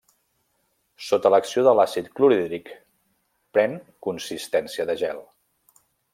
Sota l'acció de l'àcid clorhídric pren consistència de gel.